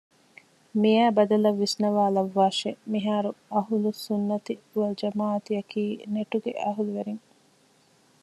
މިއައި ބަދަލަށް ވިސްނަވާލައްވާށެވެ! މިހާރު އަހުލުއްސުންނަތި ވަލްޖަމާޢަތިއަކީ ނެޓްގެ އަހުލުވެރިން